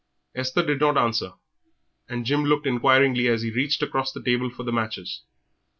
Esther did not answer, and Jim looked inquiringly as he reached across the table for the matches.